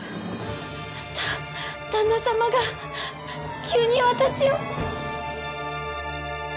だ旦那様が急に私を。